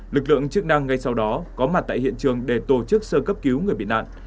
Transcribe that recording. lực lượng chức năng ngay sau đó có mặt tại hiện trường để tổ chức sơ cấp cứu người bị nạn